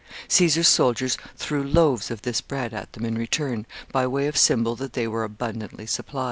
Caesar's soldiers threw loaves of this bread at them in return, by way of symbol that they were abundantly supplied.